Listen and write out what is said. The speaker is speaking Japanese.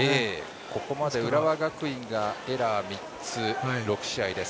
ここまで浦和学院がエラー３つ、６試合。